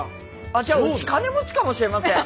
ああじゃあうち金持ちかもしれません。